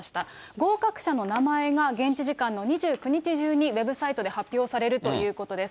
合格者の名前が、現地時間の２９日中にウェブサイトで発表されるということです。